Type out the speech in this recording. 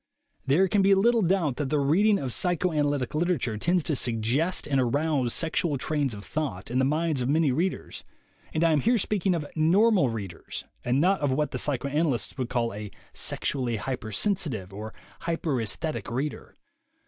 There can be little doubt that the reading of psy choanalytic literature tends to suggest and arouse sexual trains of thought in the minds of many readers, and I am here speaking of "normal" readers, and not of what the psychoanalysts would call a "sexually hypersensitive" or "hyperassthetic" reader.